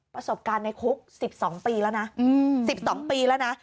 ประสบการณ์ในคุก๑๒ปีแล้วนะ๑๒ปีแล้วนะ